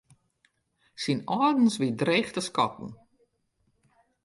Syn âldens wie dreech te skatten.